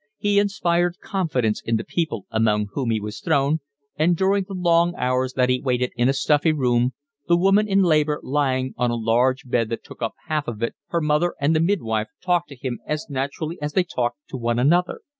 He inspired confidence in the people among whom he was thrown, and during the long hours that he waited in a stuffy room, the woman in labour lying on a large bed that took up half of it, her mother and the midwife talked to him as naturally as they talked to one another.